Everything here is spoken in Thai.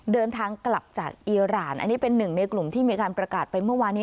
เดินทางกลับจากอีรานอันนี้เป็นหนึ่งในกลุ่มที่มีการประกาศไปเมื่อวานี้